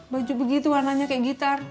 baju begitu warnanya kayak gitar